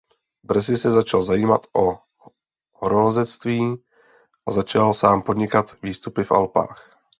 Brzy se začal zajímat o horolezectví a začal sám podnikat výstupy v Alpách.